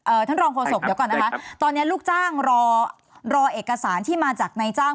ท่านรองโฆษกเดี๋ยวก่อนนะคะตอนเนี้ยลูกจ้างรอรอเอกสารที่มาจากนายจ้าง